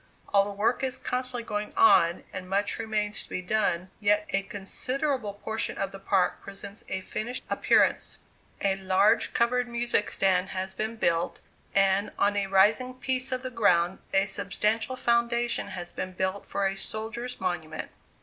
Although work is constantly going on and much remains to be done, yet a considerable portion of the park presents a finished appearance: a large covered music stand has been built; and, on a rising piece of the ground, a substantial foundation has been built for a Soldiers' Monument.